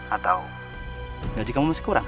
atau gaji kamu masih kurang